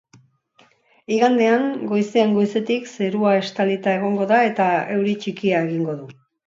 Igandean, goizean goizetik zerua estalita egongo da eta euri txikia egingo du.